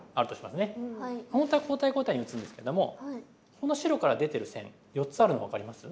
本当は交代交代に打つんですけどもこの白から出てる線４つあるの分かります？